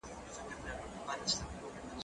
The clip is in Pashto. زه پرون لوښي وچولې؟